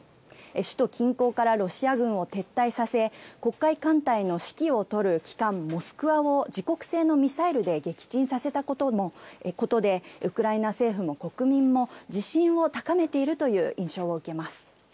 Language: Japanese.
首都近郊からロシア軍を撤退させ、黒海艦隊の指揮を執る旗艦モスクワを、自国製のミサイルで撃沈させたことで、ウクライナ政府も国民も、自信を高めているという印象を受けます。